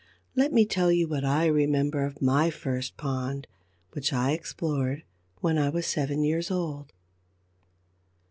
Let me tell what I remember of my first pond, which I explored when I was seven years old.